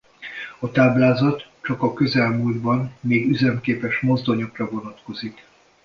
A táblázat csak a közelmúltban még üzemképes mozdonyokra vonatkozik.